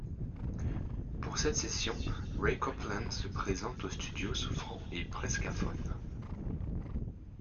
Pour cette session Ray Copeland se présente aux studios souffrant et presque aphone.